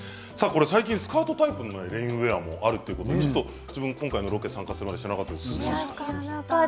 最近はレインスカートタイプのレインウエアもあるということで今回のロケに参加するまで知らなかったです。